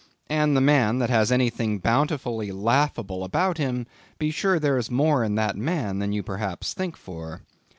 And the man that has anything bountifully laughable about him, be sure there is more in that man than you perhaps think for.